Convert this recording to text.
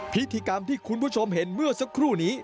พิธีกรรมที่คุณผู้ชมเห็นเมื่อสักครู่นี้